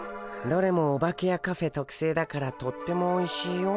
どれもオバケやカフェとくせいだからとってもおいしいよ。